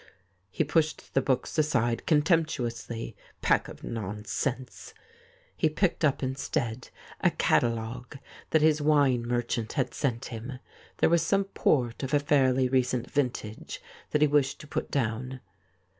He pushed the books aside contemptuously. ' Pack of nonsense !' He picked up instead a catalogue that his wine merchant had sent him. There was some port of a fairly recent vintage that he wished to put down.